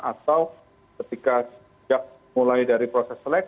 atau ketika sejak mulai dari proses seleksi